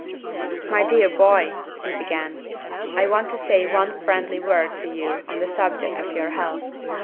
"My dear boy," he began, "I want to say one friendly word to you on the subject of your health.